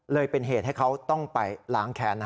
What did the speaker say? เป็นเหตุให้เขาต้องไปล้างแค้น